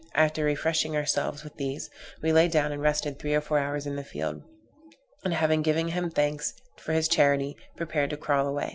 After refreshing ourselves with these, we lay down and rested three or four hours in the field; and, having given him thanks for his charity, prepared to crawl away.